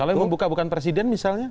kalau yang membuka bukan presiden misalnya